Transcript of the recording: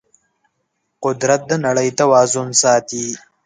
قدرت د نړۍ توازن ساتي.